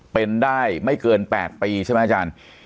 เป็นได้ไม่เกิน๘ปีใช่ไหมอาจารย์